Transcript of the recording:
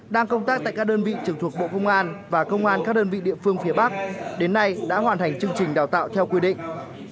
đang công tác tại các đơn vị trực thuộc bộ công an và công an các đơn vị địa phương phía bắc đến nay đã hoàn thành chương trình đào tạo theo quy định